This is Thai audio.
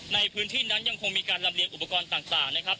ในพื้นที่นั้นยังคงมีการลำเลียงอุปกรณ์ต่างนะครับ